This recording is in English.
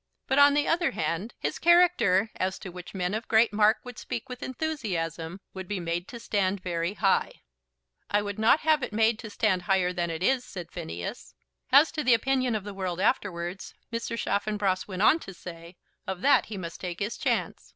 But, on the other hand, his character, as to which men of great mark would speak with enthusiasm, would be made to stand very high. "I would not have it made to stand higher than it is," said Phineas. As to the opinion of the world afterwards, Mr. Chaffanbrass went on to say, of that he must take his chance.